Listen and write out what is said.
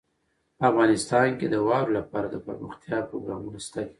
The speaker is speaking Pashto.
افغانستان کې د واورې لپاره دپرمختیا پروګرامونه شته دي.